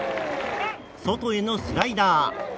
外へのスライダー。